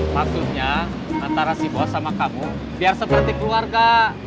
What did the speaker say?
maksudnya antara si bos sama kamu biar seperti keluarga